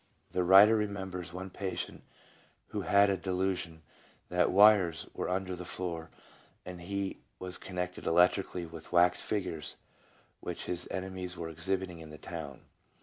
The writer remembers one patient who had a delu sion that wires were under the floor and he was connected electrically with wax figures which his enemies were exhibiting in the town.